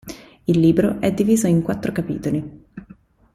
Il libro è diviso in quattro capitoli.